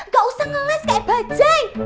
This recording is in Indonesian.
gak usah ngeles kayak bajaj